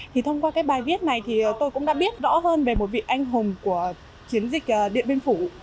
thì thông qua cái bài viết này thì tôi cũng đã biết rõ hơn về một vị anh hùng của chiến dịch điện biên phủ